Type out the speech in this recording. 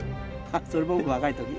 それ僕若いとき。